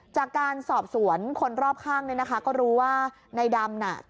จากการสอบสวนคนรอบข้างก็รู้ว่าในดำ